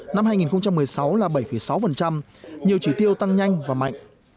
năm hai nghìn một mươi sáu là bảy sáu nhiều chỉ tiêu tăng nhanh và mạnh